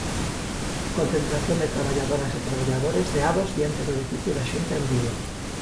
Concentración de traballadoras e traballadores de Ados diante do edificio da Xunta en Vigo.